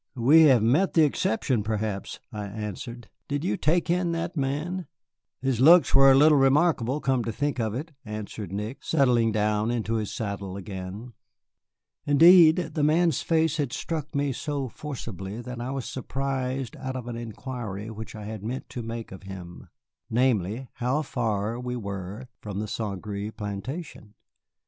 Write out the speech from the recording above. "We have met the exception, perhaps," I answered. "Did you take in that man?" "His looks were a little remarkable, come to think of it," answered Nick, settling down into his saddle again. Indeed, the man's face had struck me so forcibly that I was surprised out of an inquiry which I had meant to make of him, namely, how far we were from the Saint Gré plantation.